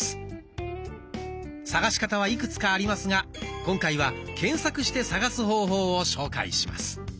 探し方はいくつかありますが今回は検索して探す方法を紹介します。